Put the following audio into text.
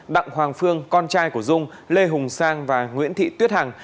đặng hoàng phương con trai của dung lê hùng sang và nguyễn thị tuyết hằng